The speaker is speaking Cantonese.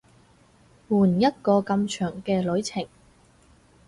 換一個咁長嘅旅程